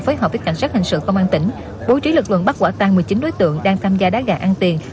phối hợp với cảnh sát hình sự công an tỉnh bố trí lực lượng bắt quả tan một mươi chín đối tượng đang tham gia đá gà ăn tiền